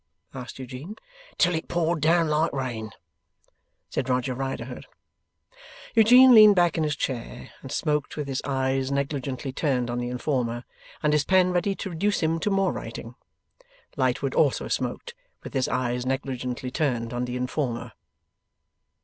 asked Eugene. 'Till it poured down like rain,' said Roger Riderhood. Eugene leaned back in his chair, and smoked with his eyes negligently turned on the informer, and his pen ready to reduce him to more writing. Lightwood also smoked, with his eyes negligently turned on the informer.